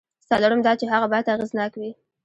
څلورم دا چې هغه باید اغېزناک وي.